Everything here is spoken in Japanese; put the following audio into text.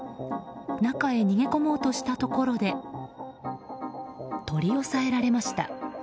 中へ逃げ込もうとしたところで取り押さえられました。